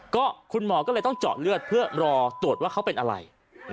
ก็คุณหมอก็เลยต้องเจาะเลือดเพื่อรอตรวจว่าเขาเป็นอะไร